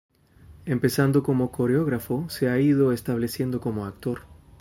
Empezando como coreógrafo se ha ido estableciendo como actor.